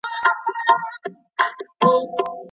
په دوبي کي ګرم کالي نه اغوستل کېږي.